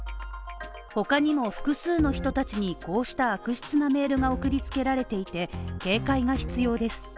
他にも複数の人たちに、こうした悪質なメールが送りつけられていて警戒が必要です。